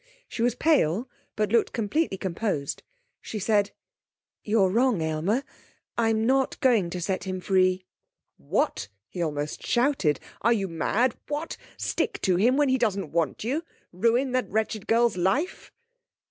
She was pale, but looked completely composed. She said: 'You're wrong, Aylmer. I'm not going to set him free.' 'What?' he almost shouted. 'Are you mad? What! Stick to him when he doesn't want you! Ruin the wretched girl's life!'